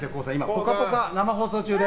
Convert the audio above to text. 「ぽかぽか」生放送中で。